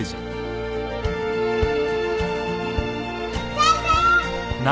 先生！